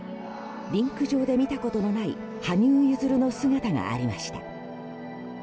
リンク上で見たことのない羽生結弦の姿がありました。